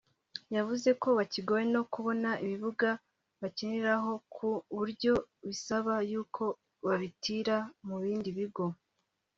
yavuze ko bakigowe no kubona ibibuga bakiniraho ku buryo bibasaba y’uko babitira mu bindi bigo